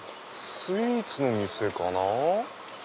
スイーツの店かな？